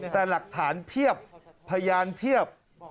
แต่หลักฐานเพียบพยานเพียบ